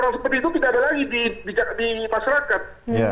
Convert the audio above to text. hal seperti itu tidak ada lagi di masyarakat